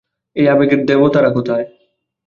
এই আবেগের দেবতারা কোথায়?